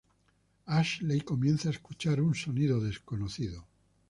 Ashley comienza a escuchar un sonido desconocido.